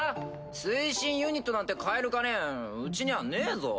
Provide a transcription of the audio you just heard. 推進ユニットなんて買える金うちにはねぇぞ。